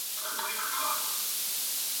د معلوماتو د لاسته راوړنې امکانات باید شتون ولري.